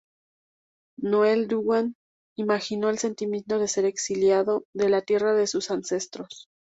Noel Duggan imaginó el sentimiento de ser exiliado de la tierra de sus ancestros.